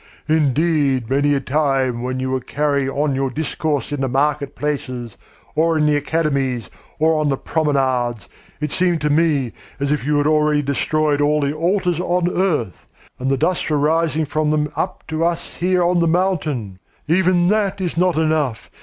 Indeed, many a time when you were carrying on your discourse in the market places or in the academies or on the promenades, it seemed to me as if you had already destroyed all the altars on earth, and the dust were rising from them up to us here on the mountain. Even that is not enough!